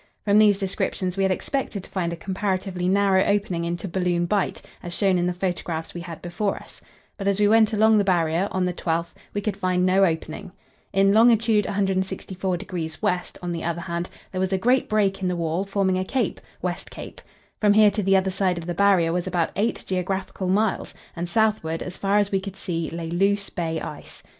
From these descriptions we had expected to find a comparatively narrow opening into Balloon Bight, as shown in the photographs we had before us; but as we went along the Barrier, on the 12th, we could find no opening. In long. 164° W., on the other hand, there was a great break in the wall, forming a cape (West Cape); from here to the other side of the Barrier was about eight geographical miles, and southward, as far as we could see, lay loose bay ice.